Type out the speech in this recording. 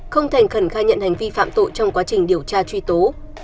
không thành khẩn khai nhận hành vi phạm tội trong quá trình điều tra truy tố